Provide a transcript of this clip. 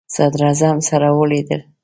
صدراعظم سره ولیدل.